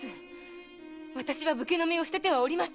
私は武家の身を捨ててはおりません。